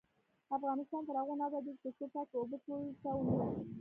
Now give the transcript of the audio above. افغانستان تر هغو نه ابادیږي، ترڅو پاکې اوبه ټولو ته ونه رسیږي.